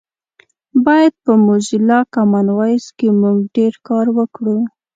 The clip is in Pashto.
باید په موزیلا کامن وایس کې مونږ ډېر کار وکړو